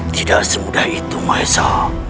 tidak semudah itu mahesa